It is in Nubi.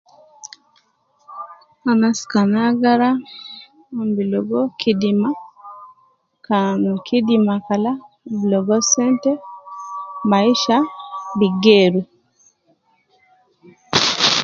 Anas kan agara , umon bilogo kidima, kan kidima kala umon bilogo sente, maisha bogeeru.